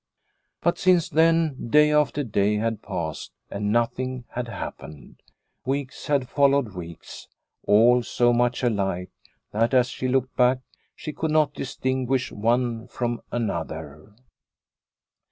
But, since then, day after day had passed and nothing had happened. Weeks had fol lowed weeks, all so much alike, that as she looked back she could not distinguish one from another.